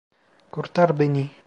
Kurtar beni!